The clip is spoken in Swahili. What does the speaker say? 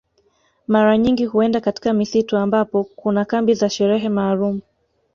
Mara nyingi huenda katika misitu ambapo kuna kambi za sherehe maalum